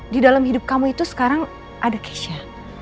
di dalam hidup kamu itu sekarang ada keisha